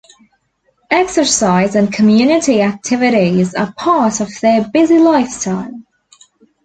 Exercise and community activities are part of their busy lifestyle.